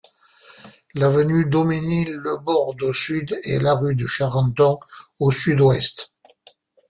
L'avenue Daumesnil le borde au sud et la rue de Charenton au sud-ouest.